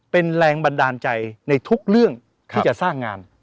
เป็นแรงบันดาลใจในทุกเรื่องที่จะสร้างงาน